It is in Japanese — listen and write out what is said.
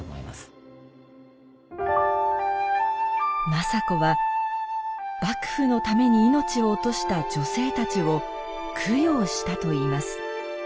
政子は幕府のために命を落とした女性たちを供養したといいます。